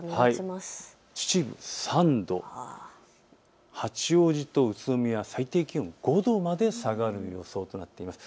秩父３度、八王子と宇都宮、最低気温５度まで下がる予想となっています。